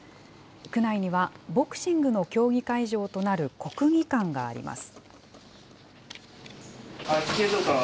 区内にはボクシングの競技会場となる国技館があります。